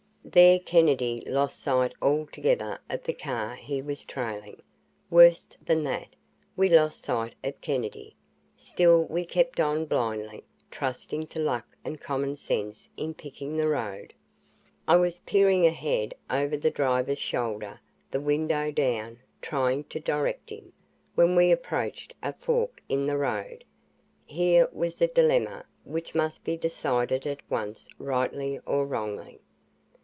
There Kennedy lost sight altogether of the car he was trailing. Worse than that, we lost sight of Kennedy. Still we kept on blindly, trusting to luck and common sense in picking the road. I was peering ahead over the driver's shoulder, the window down, trying to direct him, when we approached a fork in the road. Here was a dilemma which must be decided at once rightly or wrongly.